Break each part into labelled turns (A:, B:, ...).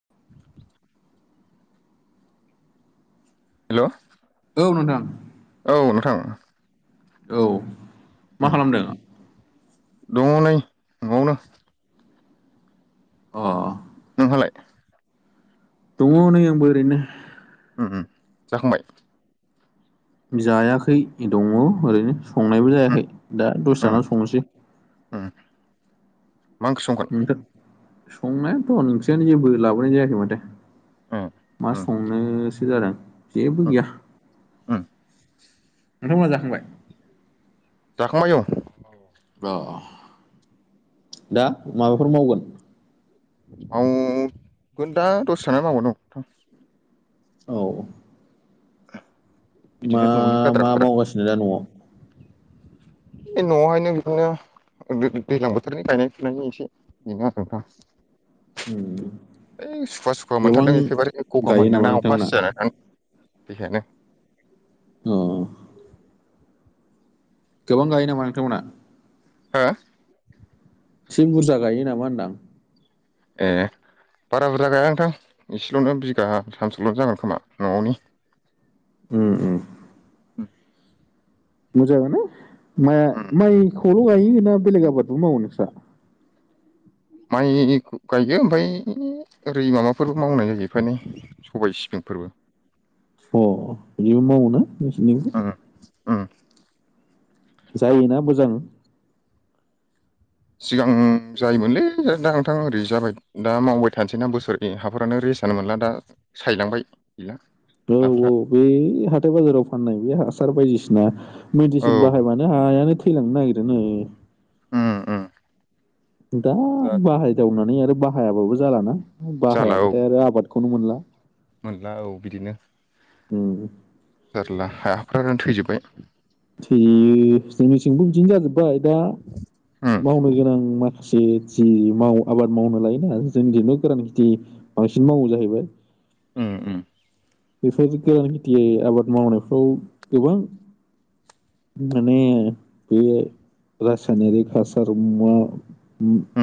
A: [inaudible] Hello
B: औ नोंथां
A: औ नोंथां
B: औ मा
A: उम
B: खालामदों
A: दङ नै न'आवनो
B: अ
A: नोंहालाय
B: दङ नै आंबो ओरैनो
A: उम जाखांबाय
B: जायाखै दङ ओरैनो संनायबो
A: उम
B: जायाखै दा दसे
A: उम
B: थाना संनोसै
A: उम मा ओंख्रि संगोन
B: नोंथां संनायाथ' ओंख्रियानो जेबो लाबोनाय जायाखै माथो
A: उम
B: मा
A: उम
B: संनो जादों जेबो
A: उम
B: गैया
A: [unintelligible]
B: नोंथां मोनहा जाखांबाय
A: जाखांबाय औ
B: अ दा माबाफोर मावगोन
A: माव दा दसे थाना मावगोनदां
B: औ मा
A: बिदिनो न'नि गाद्रा
B: मा
A: गुद्रा
B: मावगासिनो दा न'वाव
A: बे न'आवहायनो बिदिनो दैज्लां बोथोरनि गायनाय फुनायनि एसे बेनो आरो दा
B: उम
A: है सुखुवा सुखुवा
B: गोबां
A: मोनथारदों एखेबारे गगा
B: गायो नामा
A: मोनदोंना
B: नोंथांमोना
A: अखासिजानानै बेखायनो
B: न' गोबां गायो नामा नोंथांमोना
A: हो
B: एसे बुरजा गायो नामा होनदां
A: ए बारा बुरजा गाया नोंथां एसेल'नो बिगा सानसेल'नो जागोन खोमा न'आवनि
B: उम
A: हम
B: मोजाङानो माइ माइखौल' गायो ना बेलेग आबादबो मावो नोंस्रा
A: माइ गायो ओमफ्राय ओरै माबाफोरबो मावनाय सबाय सिबिंफोरबो
B: अ बिदिबो मावोना नोंसिनिखै
A: उम उम
B: जायोना मोजां
A: सिगां जायोमोनलै दा नोंथां ओरै जाबाय दा मावबाय थानोसैना बोसोरै हाफोरानो ओरै सानो मोनला दा सायलांबाय गैला
B: औ औ
A: हाफोरा
B: हाथाय बाजाराव फाननाय बे हासार बायदिसिना
A: औ
B: मेडिसिन बाहायनानै हायानो थैलांनो नागिरो
A: उम उम
B: दा बाहाय दखवनानै आरो बाहायाबाबो जालाना
A: जाला औ
B: बाहायाबाथाय आरो आबाद खौनो मोनला
A: मोनला औ बिदिनो
B: उम
A: जारला हाफ्रानो थैजोबबाय
B: थिं जोंनिथिंबो बिदिनो जायो दा
A: उम
B: मावनो गोनां माखासे जि माव आबाद मावनो लायोना जोंनि दिनैबो गोरान खेथि बांसिन मावो जाहैबाय
A: उम उम
B: बेफोरदि गोदान खेथि आबाद मावनायफ्राव गोबां माने बे रासायनारिक हासार मुवा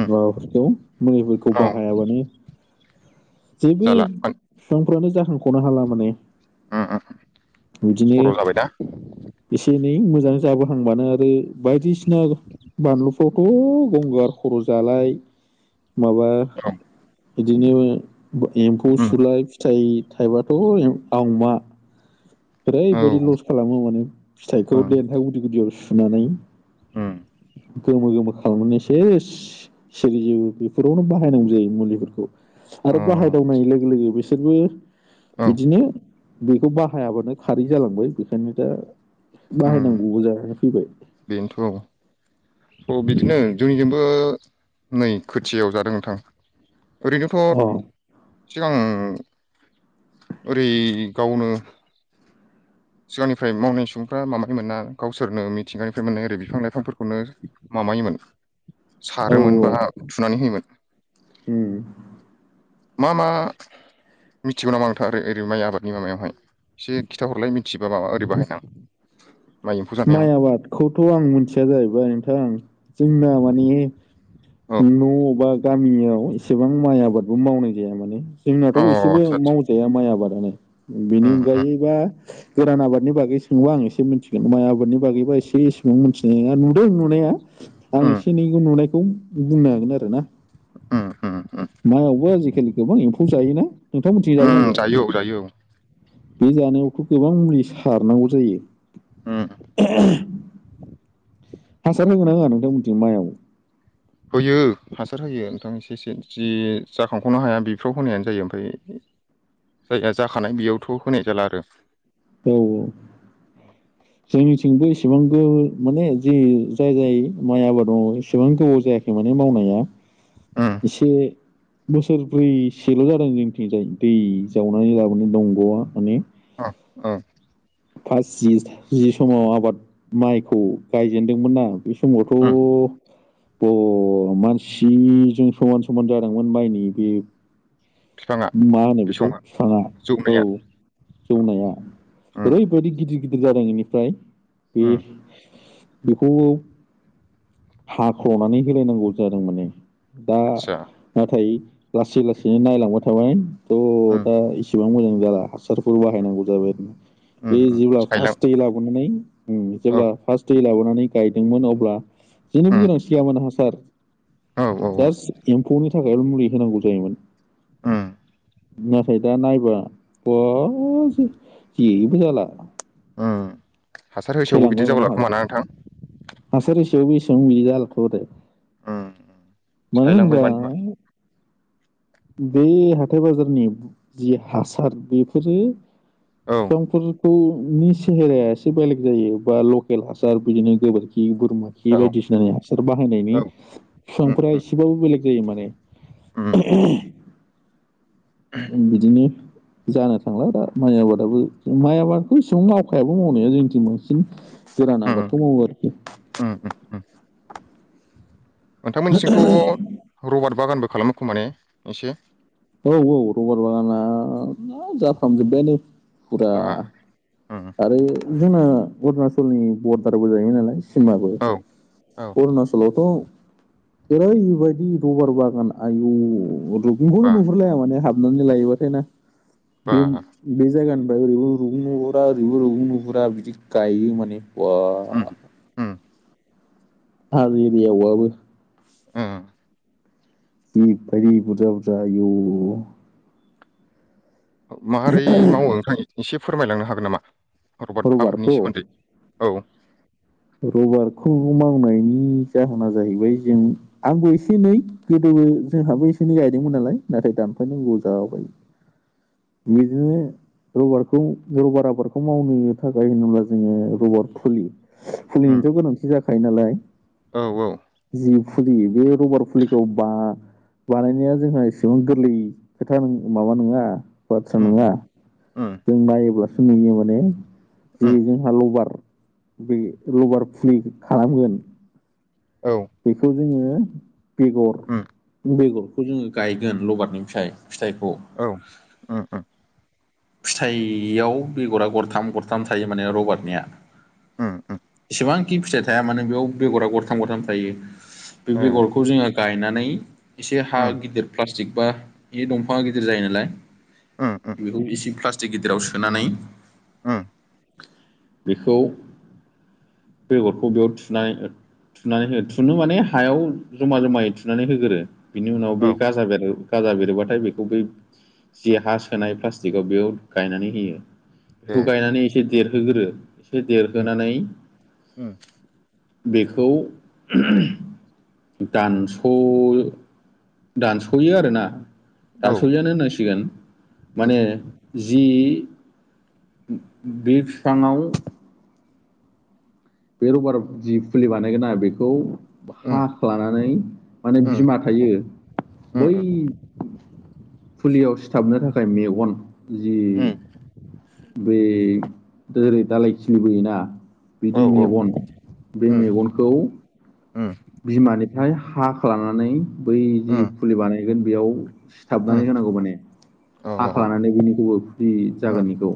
A: उम
B: मुलिफोरखौ
A: औ
B: बाहायाबानो जेबो
A: जाला
B: बिफांफोरानो जाखांख'नो हाला माने
A: उम उम
B: बिदिनो
A: सर' जाबायना
B: एसे मोजां जाबोहांबानो आरो बायदिसिना बानलु फावथ' गंगार खर' जालाय माबा
A: औ
B: बिदिनो एम्फौ
A: उम
B: सुलााय फिथाइ थाइबा औ आवमा
A: औ
B: ओरैबायदि लस खालामो माने फिथाइखौ देन्था गुदि गुदियाव सुनानै
A: होम
B: गोमो गोमो खालामनानै से सिरिजि बेफोरावनो बाहायनांगौ जायो। मुलिफोरखौ
A: अ
B: आरो बाहायदावनाय लोगो लोगो बिसोरबो
A: औ
B: बिदिनो बेखौ बाहायाबानो खारै जालांबाय बेखायनो दा
A: उम
B: बाहायनांगौबो जानानै फैबाय
A: बेनोथ' औ बिदिनो जोंनिजोंबो नै खोथियायाव जादों नोंथां ओरैनोथ'
B: अ औ
A: सिगां ओरै गावनो सिगांनिफ्राय मावनाय सुबुंफ्रा माबाय मोना गावसोरनो मिथिंगानिफ्राय मोनो ओरै बिफां लाइफांफोरखौनो माव मायोमोन
B: औ
A: सारोमोन बा थुनानै होयोमोन
B: उम
A: मा मा मिथिगौ नामा आंथार आरो ओरै माइ आबादनि माबायावहाय एसे खिथाहरलाय मिथिबा माबा ओरै बाहायना माइ एम्फौ जानायाव
B: माइ आबादखौथ' आं मिथिया जाहैबाय नोंथां जोंना मानि
A: औ
B: न' बा गामियाव एसेबां माइ आबादबो मावनाय जाया माने जोंनाथ'
A: अ
B: एसेबो
A: आदसा आदसा
B: मावजाया माइ आबादानो बेनि
A: उम
B: अनगायैबा गोरान आबादनि बागै सोोबा आं एसे मिनथिगोन माइ आबादनि बागैबा एसे इसेबां मिथिनाय नंङा नुदों नुनाया आं
A: उम
B: एसे एनैखौ नुनायखौ बुंनो हागोन आरो ना
A: उम उम उम
B: मायावबो आजिखालि गोबां एम्फौ जायोना नोंथां मिथिजागोन ना
A: उम
B: जाया
A: जायो औ जायो औ
B: बे जानायावथ' गोबां मुलि सारनांगौ जायो।
A: उम
B: [unintelligible] हासार होगोना होआ नोंथांमोनथि माइआव
A: होयो हासार होयो नोंथां एसे एसे जि जाखांख'नो हाया बेफोराव होनायानो जायो ओमफाय जाया जाखानाय बेयावथ' होनाय जाला आरो
B: औ औ जोंनिथिंबो इसेबां गो माने जि जाय जाय माइ आबाद मावो एसेबां गोबाव जायाखै माने नि मावनाया
A: उम
B: एसे बोसोरब्रैसेल' जादों जोंथिंजाय दै जावनानै लाबोनो दंग'आ माने
A: [unintelligible]
B: फास जि जि समाव आबाद माइखौ गायजेनदोंमोन ना बे समावथ'
A: उम
B: ब मानसिजों समान समान जादोंमोन माइनि बे
A: बिफाङा
B: मा होनो बेखौ
A: बिसङा
B: बिफांङा औ
A: जौनाया उम
B: जौनाया
A: उम
B: ओरैबायदि गिदिर गिदिर जादों बेनिफ्राय बे
A: उम
B: बेखौ हाख्ल'नानै होलायनांगौ जादों माने दा
A: आदसा
B: नाथाय लासै लासैनो नायलांबाय थाबाय थ'
A: उम
B: दा इसेबां मोजां जाला बाहायनांगौ जाबाय आरोा
A: उम
B: बे
A: उम
B: जेब्ला
A: सायलां
B: फास लाबोनानै
A: औ
B: जेब्ला फार्स्ट दै लाबोनानै गायदोंमोन अब्ला
A: उम
B: जेनोबो गोनां सिगामोन हासार
A: औ औ औ
B: जास्ट एम्फौनि थाखायल मुलि होनांगौ जायोमोन।
A: उम
B: नाथाय दा नायबा [unintelligible] जेबो जाला
A: उम हासार होसेयावबो बिदि
B: थैलांबाय माने
A: जाबावला खोमाना नोंथां
B: हासारसेयाव बेसेबां बिदि जालाथ'दो
A: उम सायलांबाय मान मा
B: बे हाथाय बाजारनि जि हासार बेफोरो
A: औ
B: समफोर नि सेहेराया एसे बेलेग जायो बा लकेल हासार बिदिनो गोबोरखि खि बोरमा खि
A: औ
B: बायदिसिना हासार बाहायनायनि
A: औ उम
B: बिफांफोरा
A: उम
B: एसेबाबो बेलेग जायो माने
A: उम
B: [unintelligible] बिदिनो जानो थांला दा माइ आबादाबो माइ आबादखौ इसिबां मावखायाबो मावनाया जोंनिथिं बांसिन गोरान
A: उम
B: आबादखौ मावो आरोखि
A: उम उम नोंथांमोननिसिंथ' रबारट बागानबो खालामो खोमाने एसे?
B: औ औ रबार बागाना जाफ्रामजोब्बायानो फुरा
A: आ उम
B: आरो जोंना अरुणाचलनि बरदारबो जायोमोन नालाय जोंनाबो
A: औ औ
B: अरुणाचलावथ' ओरैबायदि रबार बागान आयु [unintelligible]
A: बा
B: नुहुरलाया माने हाब नानै लायोबाथ' नों
A: बा
B: बे बे जायगानिफ्राय ओरैबो रुगुं ओरैबो रुगुं नुहुरा बिदि गायो माने बा
A: उम उम
B: हाजो एरियायाव बाबो
A: उम
B: जि बायदि बुरजा बुरजा आयौ
A: माबोरै मावो नोंथां एसे फोरमायलांनो हागोन नामा रबारट आबादनि
B: रबारखौ
A: सोमोन्दै औ
B: रबारखौ मावनायनि जाहोना जाहैबाय जों आंबो एसे एनै गोदो जोंहाबो एसे एै गायदोंमोन नालाय नाथाय दानफायनांगौ जाबाय [unintelligible] रबारखौ रबार आबादखौ मावनो थाखाय होनोब्ला जोङो रबार फुलि
A: उम
B: फुलिनिथ' गोनांथि जाखायो नालाय
A: औ औ
B: जि फुलि बे रबार फुलिखौ बा बानायनाया जोंहा एसेबां गोरलै खोथा माबा नङा बाथ्रा
A: उम
B: नङा
A: उम
B: जों नायोब्लासो नुयो माने जे
A: उम
B: जोंहा लबार बे रबार फुलि खालामगोन
A: औ
B: बेखौ जोङो बेगर
A: उम
B: बेगरखौ जोङो गायगोन लबारनिफ्राय फिथाइखौ
A: औ उम उम
B: फिथाइयाव बेगरा गरथाम गरथाम थायो माने रबार्टनिया
A: उम उम
B: एसेबांखि फिथाइ थाया मानो बेयाव बेगरा गरथाम गरथाम थायो बे
A: ए
B: बेगरखौ जोङो गायनानै एसे हा
A: उम
B: गिदिर प्लास थिग बा बे दंफाङा गिदिर जायो नालाय
A: उम उम
B: बेखौ इसे प्लास्टिक गिदिराव सोनानै
A: उम
B: बेखौ बेगरखौ बेयाव थुनाय थुनानै हो थुनो माने हायाव जमा जमायै थुनानै होगोरो बिनि उनाव बे
A: औ
B: गाजा बेर गाजा बेरोबाथाय बेखौ बै जि हा सोनाय प्लासटिक गाव बेयाव गायनानै होयो बेखौ
A: ए
B: गायनानै एसे देरहोगोरो एसे
A: उम
B: देरहोनानै
A: उम
B: बेखौ दानस' दानस'यो आरोना
A: औ
B: दानस'योआनो होननांसिगोन
A: उम
B: मानो जि बे फिफाङाव बे रबार जि फुलि बानायगोना बेखौ हा
A: उम
B: लानानै माने
A: उम
B: बिमा थायो
A: उम
B: बै फुलियाव सिथाबनो थाखाय मेगन जि
A: उम
B: बै ओरै दालाय खिलिबोयोना बिदि
A: औ औ
B: मेगन बे
A: उम
B: मेगनखौ
A: उम
B: बिमानि फाय हाख्लानानै बै जि
A: उम
B: फुलि बानायगोन बेयाव
A: उम
B: सिथाबनानै होनांगौ माने
A: अ उम
B: हाख्लानानै बिनिखौबो फ्रि जागोन बेखौ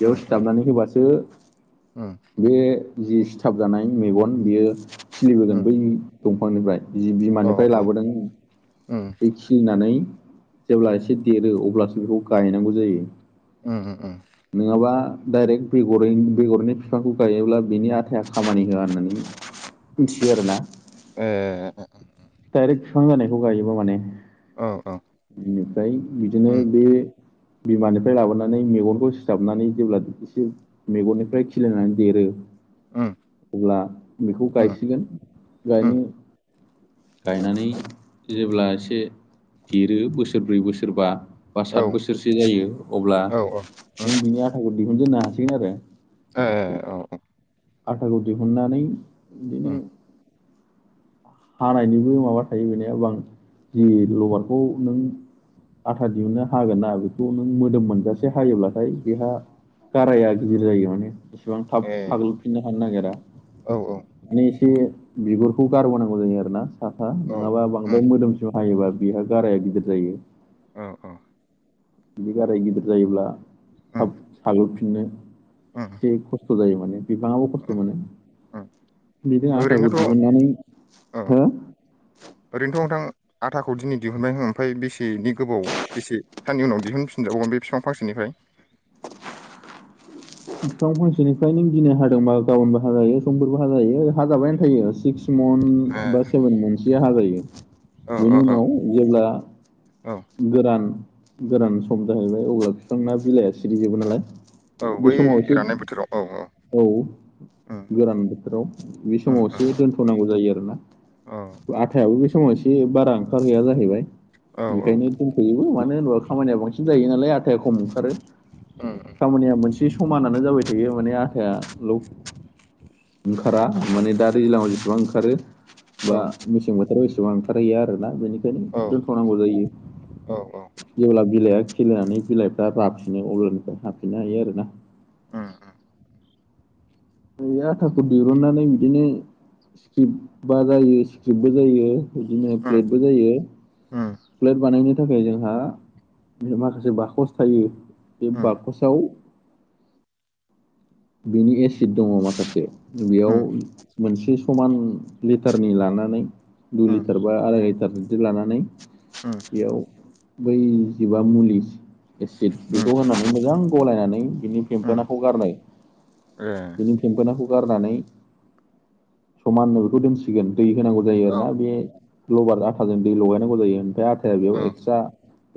B: बेयाव
A: उम
B: सिथाबनानै होबासो बे जि सिथाब जानाय मेगन बियो सोलिबोगोन बै दंफांनिफ्राय जि बिमानिफ्राय लाबोदों
A: उम
B: बे खिलिनानै जेब्ला एसे देरो अब्लासो बेखौ गायनांगौ जायो
A: उम अ उम उम
B: नङाबा डाइरेक्ट बेगर बेगरैनो बिफांखौ गायोब्ला बिनि आथाया खामानि होआ होननानै मिथियो आरोना
A: ओह
B: डाइरेक्ट बिफां जानायखौ गायोबा माने
A: औ
B: बेनिफ्राय बिदिनो
A: उम
B: बे बिमानिफ्राय लाबोनानै मेगनखौ सिथाबनानै जेब्ला एसे मेगननिफ्राय खिलिनानै देरो
A: उम
B: अब्ला बेखौ
A: उम
B: गायसिगोन गायनो
A: उम
B: गायनानै जेब्ला एसे देरो बोसोरब्रै बोसोरबा बा
A: औ
B: सात बोसोरसो जायो अब्ला
A: औ औ
B: जों बिनि आथाखौ दिहुनजेननो हासिगोन आरो
A: ओ औ औ
B: आथाखौ दिहुननानै बिदिनो
A: उम
B: हानायनिबो माबा थायो बेनिया बा जि लबारखौ नों आथा दिहुननो हागोन ना बेखौ नों मोदोम मोनजासे हायोब्लाथाय बेहा गाराया गिदिर जायो माने बेसेबां थाब
A: ए
B: साग्लोबफिननो हानो नागिरा
A: औ
B: माने एसे बिगुरखौ गारबोनांगौ जायो आरो ना साफा
A: औ
B: नङाबा
A: उम
B: बांद्राय मोदोमसिम हायोबा बेहा गाराया गिदिर जायो
A: औ औ
B: बिदि गाराय गिदिर जायोब्ला थाब साग्लोबफिननो
A: उम
B: एसे खस्थ' खस्थ' जायो माने बिफाङाबो खस्थ'
A: उम
B: मोनो
A: उम
B: बिदि आथाखौ
A: ओरैनोथ' औ
B: दिहुननानै हो
A: ओरैनोथ' नोंथां आथाखौ दिनै दिहुनबाय हो ओमफाय बेसेनि गोबाव बेसे साननि उनाव दिहुनफिन जागोन बे बिफां फांसेनिफ्राय
B: बिफां फांसेनिफ्राय नों दिनै हादोंबा गाबोनबो हा जायो समफोरबो हा जायो हा जाबायना थायो सिक्स मन्थ
A: ए
B: बा सेभेन मन्थ सोया हाजायो
A: औ औ
B: बेनि
A: औ
B: उनाव जेब्ला
A: औ
B: गोदान गोरान सम जाहैबाय अब्ला बिफांना बिलाइआ सिरिजोबो नालाय
A: औ
B: बे
A: बै
B: समाव एसे
A: राननाय बोथोराव औ औ
B: औ
A: उम
B: गोरान बोथोराव बे
A: उम
B: समावसो
A: उम
B: दोनथ'नांगौ जायो आरोना
A: औ
B: आथायाबो बे समाव एसे बारा ओंखार हैया जाहैबाय
A: औ औ
B: बेखायनो दोनथ'योबो मानो होनोबा खामानिया बांसिन जायो नालाय आटा खम ओंखारो
A: उम उम
B: खामानिया मोनसे समानानो जाबाय थायो माने आटायाल' ओंखारा माने दा दैज्लाङाव जेसेबां ओंखारो बा
A: औ
B: मेसें बोथोराव एसेबां ओंखार हैया आरोना बेनिखायनो दोनथनांगौ जायो
A: औ औ
B: जेब्ला बिलाइया सिरिनानै बिलाइफ्रा जााफिनो अब्लानिफ्राय हाफिननो हायो आरोना
A: ओम ओम
B: बे आटाखौ दिरुननानै बिदिनो स्क्रिप बा जायो स्क्रिप्ट बो जायो बिदिनो
A: उम
B: प्लेटबो जायो
A: उम
B: प्लेट बानायनो बेनि थाखाय जोंहा माखासे बाकस थायो बे
A: उम
B: बाकसाव बेनि एसिड दङ माखासे बेयाव
A: उम
B: मोनसे समान लिटारनि लानानै दुइ
A: उम
B: लिटार बा आराय लिटार बिदि लानानै
A: उम
B: बेयाव बै जिबा मुलि एसिद
A: उम
B: बेखौ होनानै मोजां गलायनानै बिनि
A: उम
B: फेम्फोनाखौ गारनाय
A: ए
B: बिनि फेंफोनाखौ गारनानै समाननो बेखौ दोनसिगोन दै होनांगौ जायो आर
A: औ
B: ना बे लबार आथाजों दै लगायनांगौ जायो ओमफ्राय आटाया बेयाव
A: उम
B: एक्सट्रा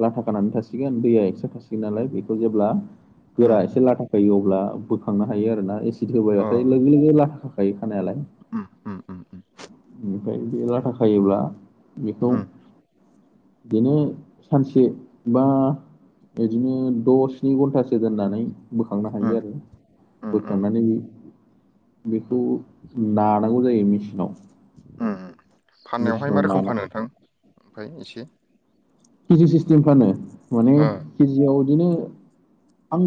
B: लाथा खानानै थासिगोन दैया एक्स्रा थासिगोन नालाय बेखौ जेब्ला गोरा
A: उम
B: एसे लाथा खायो अब्ला बोखांनो हायो आरोना एसिड
A: अ
B: होबायबथाय लोगो लोगो लाथााखाखायो खानायालाय
A: उ उ
B: बेनिफ्राय बे लाथा खायोब्ला बेखौ बिनो सानसे बा बिदिनो द' स्नि घन्टासो दोननानै बोखांनो हायो
A: उम
B: आरो
A: उम
B: बोखांनानै बेखौ
A: उम
B: नानांगौ जायो मेसिनाव
A: उम फाननायावहाय मा रोखोम फानो नोंथां ओमफ्राय एसे
B: केजि सिस्टेम फानो माने
A: ओ
B: केजियाव बिदिनो आं